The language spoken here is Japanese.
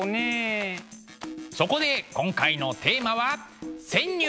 そこで今回のテーマは「潜入！